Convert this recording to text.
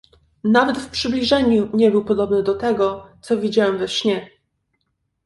"Nawet w przybliżeniu nie był podobny do tego, co widziałem we śnie."